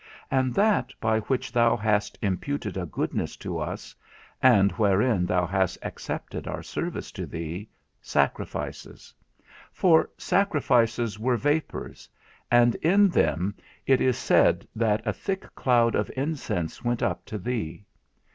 _ And that by which thou hast imputed a goodness to us, and wherein thou hast accepted our service to thee, sacrifices; for sacrifices were vapours; and in them it is said, that a thick cloud of incense went up to thee.